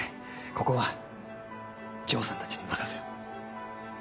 ここは丈さんたちに任せよう。